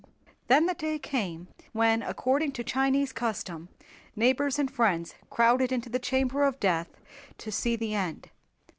Then the day came when according to Chinese custom neighbors and friends crowded into the chamber of death to see the end.